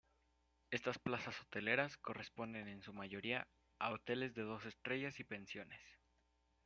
Estas plazas hoteleras corresponden en su mayoría a hoteles de dos estrellas y pensiones.